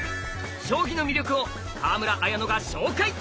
将棋の魅力を川村文乃が紹介！